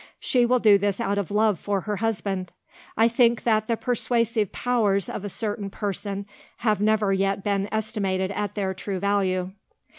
She will do this out of love for her husband. I think that the persuasive powers of a certain person have never yet been estimated at their true value.